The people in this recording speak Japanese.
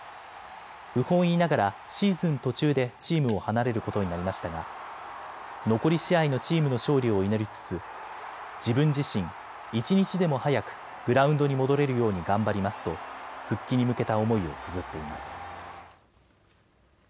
不本意ながらシーズン途中でチームを離れることになりましたが残り試合のチームの勝利を祈りつつ、自分自身一日でも早くグラウンドに戻れるように頑張りますと復帰に向けた思いをつづっています。